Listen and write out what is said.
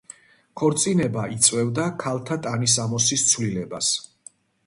ქორწინება იწვევდა ქალთა ტანისამოსის ცვლილებას.